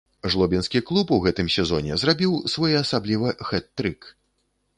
Жлобінскі клуб у гэтым сезоне зрабіў своеасабліва хэт-трык.